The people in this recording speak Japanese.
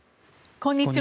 こんにちは。